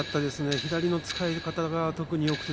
左の使い方が特によくて。